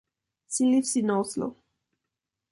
She lives in Oslo.